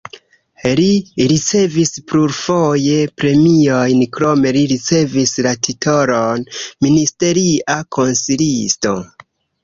Li ricevis plurfoje premiojn, krome li ricevis la titolon ministeria konsilisto.